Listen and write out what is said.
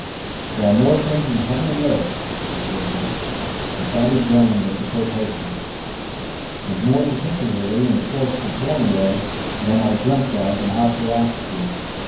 "There are more things in heaven and earth," said Woodhouse and Thaddy groaned at the quotation "and more particularly in the forests of Borneo, than are dreamt of in our philosophies.